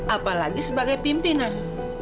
apalagi sebagai pimpinan